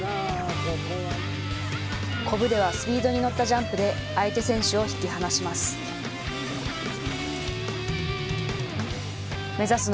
こぶではスピードに乗ったジャンプで相手選手を引き離します。